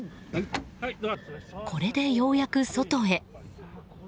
これでようやく外へ。